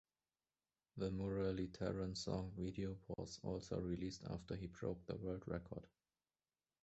The Muralitharan Song video was also released after he broke the world record.